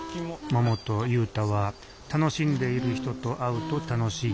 ももと雄太は楽しんでいる人と会うと楽しい。